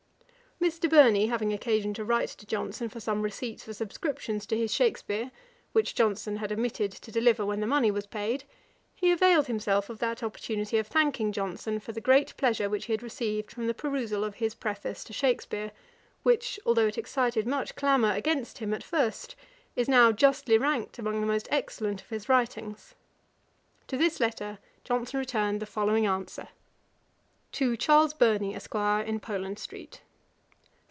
Mr. Burney having occasion to write to Johnson for some receipts for subscriptions to his Shakspeare, which Johnson had omitted to deliver when the money was paid, he availed himself of that opportunity of thanking Johnson for the great pleasure which he had received from the perusal of his Preface to Shakspeare; which, although it excited much clamour against him at first, is now justly ranked among the most excellent of his writings. To this letter Johnson returned the following answer: [Page 500: Resolutions at church.] 'To CHARLES BURNEY ESQ. IN POLAND STREET.